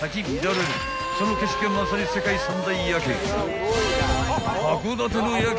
［その景色はまさに世界三大夜景］